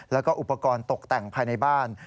แล้วก็อุปกรณ์ตกแต่งภายในบ้าน